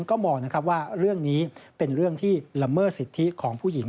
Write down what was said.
ก็มองนะครับว่าเรื่องนี้เป็นเรื่องที่ละเมิดสิทธิของผู้หญิง